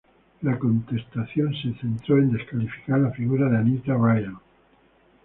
La contestación se centró en descalificar la figura de Anita Bryant.